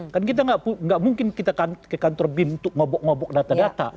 kan kita enggak enggak mungkin kita ke kantor bim untuk ngobok ngobok data data